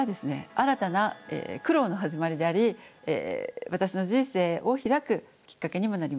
新たな苦労の始まりであり私の人生を開くきっかけにもなりました。